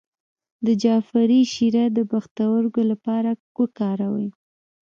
د جعفری شیره د پښتورګو لپاره وکاروئ